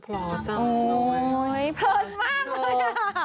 โอ้โหเผอมาก